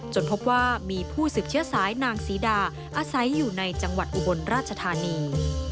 พบว่ามีผู้สืบเชื้อสายนางศรีดาอาศัยอยู่ในจังหวัดอุบลราชธานี